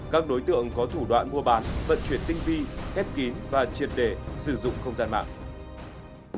các đối tượng có thủ đoạn mua bán vận chuyển tinh vi ép kín và triệt để sử dụng không gian mạng